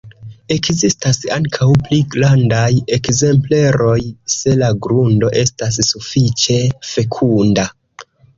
Ekzistas ankaŭ pli grandaj ekzempleroj, se la grundo estas sufiĉe fekunda.